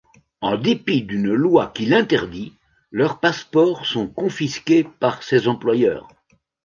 En dépit d'une loi qui l'interdit, leurs passeports sont confisqués par ces employeurs.